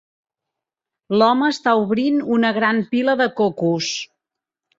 L'home està obrint una gran pila de cocos.